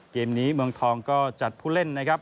เกมนี้เมืองทองก็จัดผู้เล่นนะครับ